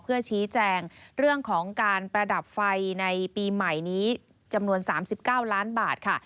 เพื่อชี้แจงเรื่องของการประดับไฟในปีใหม่นี้จำนวน๓๙ล้านบาทค่ะ